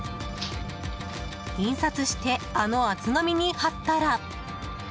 印刷して、あの厚紙に貼ったら。